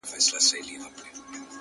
بابولاله!